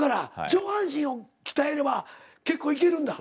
上半身を鍛えれば結構いけるんだ。